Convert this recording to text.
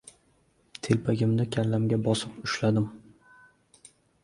Telpagimni kallamga bosib ushladim.